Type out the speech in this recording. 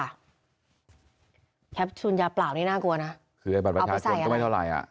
แปปชุนยาเปล่านี่น่ากลัวนะคือไอ้บัตรประชาชนก็ไม่เท่าไหร่อ่ะ